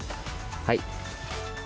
はい。